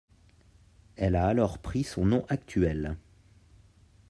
Elle a alors pris son nom actuel.